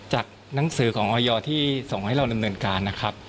จากหนังสือของออยที่ส่งให้เราดำเนินการนะครับ